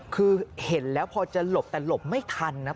คือเห็นแล้วพอจะหลบแต่หลบไม่ทันนะ